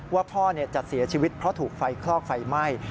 ว่าพ่อจะเสียชีวิตเพราะถูกไฟคลอกไฟไหม้